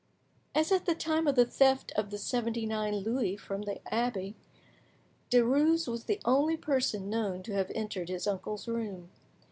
As at the time of the theft of the seventy nine Louis from the abbe, Derues was the only person known to have entered his uncle's room.